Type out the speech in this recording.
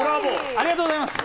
ありがとうございます。